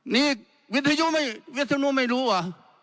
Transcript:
นี่วิธนุไม่รู้อ่ะ